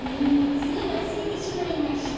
ついわすれてしまいまして。